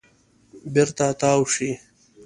بېرته تاو شئ .